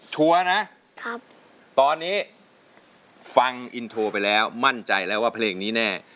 ชัวร์นะตอนนี้ฟังอินโทรไปแล้วมั่นใจแล้วว่าเพลงนี้แน่